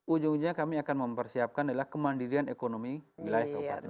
ujung ujungnya kami akan mempersiapkan adalah kemandirian ekonomi wilayah kabupaten